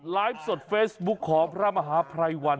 ไลฟ์สดเฟซบุ๊คของพระมหาภัยวัน